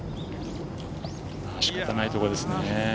仕方ないところですね。